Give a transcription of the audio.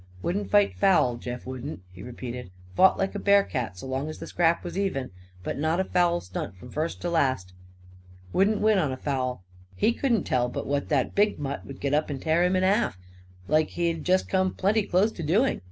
"Wouldn't fight foul, Jeff wouldn't," he repeated. "Fought like a bearcat, so long as the scrap was even. But not a foul stunt from first to last. Wouldn't win on a foul. He couldn't tell but what that big mutt would get up and tear him in half, like he'd just come plenty close to doing.